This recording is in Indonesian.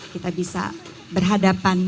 kita bisa berhadapan